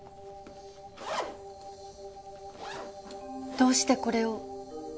どうしてこれを？